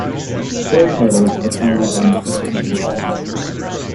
Story titles are followed by an approximate word count.